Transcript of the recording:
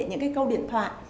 những cái câu điện thoại